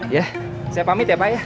ya saya pamit ya pak ya